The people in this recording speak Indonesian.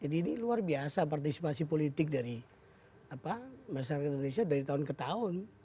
jadi ini luar biasa partisipasi politik dari masyarakat indonesia dari tahun ke tahun